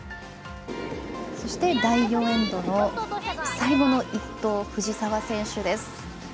そして、第４エンドの最後の１投、藤沢選手です。